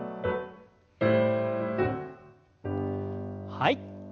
はい。